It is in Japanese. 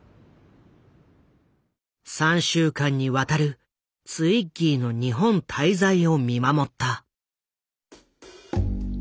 ３週間にわたるツイッギーの日本滞在を見守った。